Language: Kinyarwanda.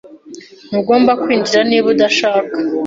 Ntugomba kwinjira niba udashaka.